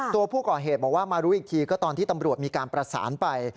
ตัวผู้ก่อเหตุบอกว่ามารู้อีกทีก็ตอนที่ตำรวจมีการประสานไป